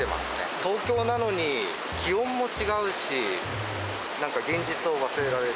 東京なのに、気温も違うし、なんか現実を忘れられる。